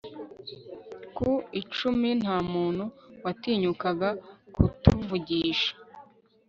ku icumi Nta muntu watinyukaga kutuvugisha